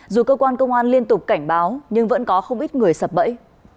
dù cơ quan công an liên tục cảnh báo nhưng vẫn có không ít người sập bẫy